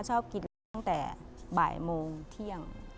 เค้าขอบกินคันเต่าะบ่ายโมงเที่ยง